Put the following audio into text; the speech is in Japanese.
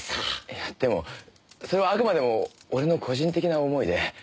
いやでもそれはあくまでも俺の個人的な思いで。